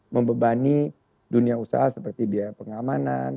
membebani dunia usaha seperti biaya pengamanan